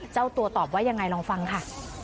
เจ้าตัวตอบว่ายังไงลองฟังค่ะ